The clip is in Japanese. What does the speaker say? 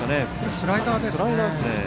スライダーですね。